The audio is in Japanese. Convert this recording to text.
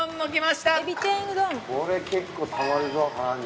これ結構たまるぞ腹に。